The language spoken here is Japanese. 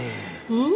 うん？